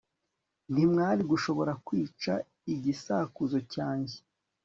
ntimwari gushobora kwica igisakuzo cyanjye